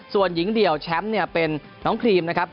ส่วนหญิงเดี่ยวแชมป์เนี่ยเป็นน้องครีมนะครับ